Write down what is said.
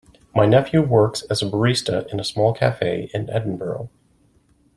My nephew works as a barista in a small cafe in Edinburgh.